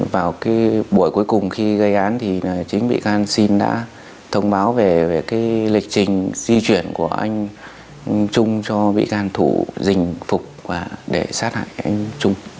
vào cái buổi cuối cùng khi gây án thì chính bị can xin đã thông báo về cái lịch trình di chuyển của anh trung cho bị can thủ dình phục và để sát hại anh trung